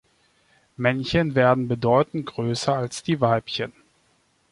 Männchen werden bedeutend größer als die Weibchen.